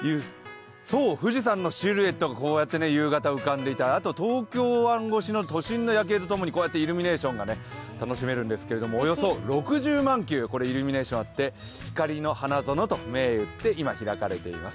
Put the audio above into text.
富士山のシルエットがこうやって夕方浮かんでいて、東京湾越しの都心の夜景とともにイルミネーションが楽しめるんですけれども、およそ６０万球、イルミネーションあって、光の花園と銘打って、今、開かれています。